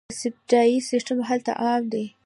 د سبسایډي سیستم هلته عام دی.